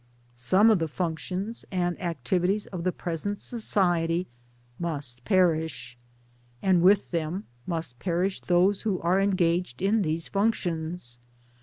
Some of the functions and activities of the present Society must perish ; and with them must perish those who are engaged in these functions.